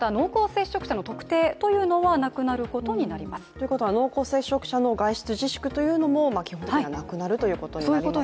ということは濃厚接触者の外出自粛というのも基本的にはなくなるということになりますね。